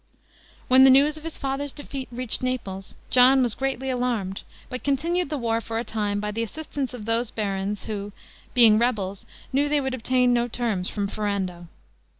When the news of his father's defeat reached Naples, John was greatly alarmed, but continued the war for a time by the assistance of those barons who, being rebels, knew they would obtain no terms from Ferrando.